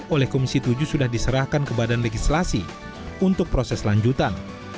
oleh komisi tujuh sudah diserahkan ke badan legislasi untuk proses lanjutan